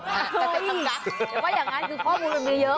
แต่ว่าอย่างนั้นคือข้อมูลมันมีเยอะ